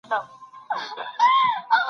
چېري د حیواناتو د ساتني ډلي فعالیت کوي؟